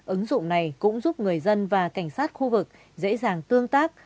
ứng dụng này cũng giúp người dân và cảnh sát khu vực dễ dàng tương tác